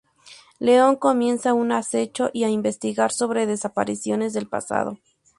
León comienza un acecho y a investigar sobre desapariciones del pasado.